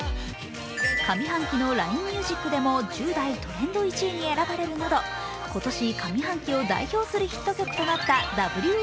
上半期のＬＩＮＥミュージックでも１０代トレンド１位に選ばれるなど今年上半期を代表するヒット曲となった「Ｗ／Ｘ／Ｙ」。